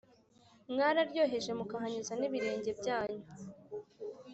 Mwararyoheje mukahanyuza nibirenge byanyu